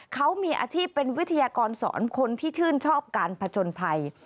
เขามีอาชีพเป็นวิทยากรสอนคนที่ชื่นชอบการผจญภัย